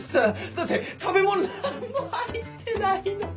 だって食べ物何も入ってないのに！